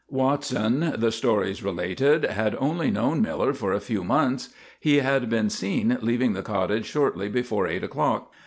Watson, the stories related, had only known Miller for a few months. He had been seen leaving the cottage shortly before eight o'clock.